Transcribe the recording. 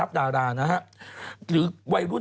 แค่ขุมพันธุ์มันหรือเปล่า